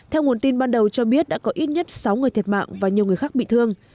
theo nguồn tin ban đầu cho biết đã có ít nhất sáu người thiệt mạng và nhiều người khác bị thương